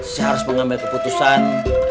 saya harus mengambil keputusan